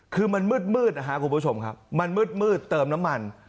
คือมันมืดมืดนะฮะคุณผู้ชมครับมันมืดมืดเติมน้ำมัน